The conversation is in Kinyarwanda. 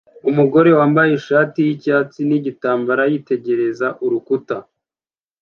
Umugore wambaye ishati yicyatsi nigitambara yitegereza urukuta